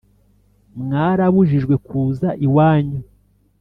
Mwarabujijwe kuza iwanyu